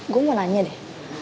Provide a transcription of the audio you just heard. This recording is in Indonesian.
gue mau nanya deh